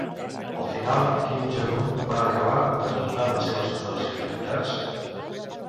Al final Kim Jong-un va acabar desmuntant les seves instal·lacions militars?